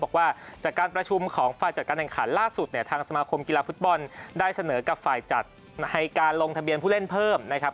บอกว่าจากการประชุมของฝ่ายจัดการแห่งขันล่าสุดเนี่ยทางสมาคมกีฬาฟุตบอลได้เสนอกับฝ่ายจัดให้การลงทะเบียนผู้เล่นเพิ่มนะครับ